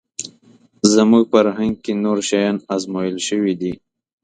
زموږ فرهنګ کې نور شیان ازمویل شوي دي